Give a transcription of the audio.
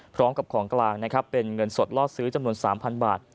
พร้อมกับของกลางนะครับเป็นเงินสดล่อซื้อจำนวน๓๐๐บาท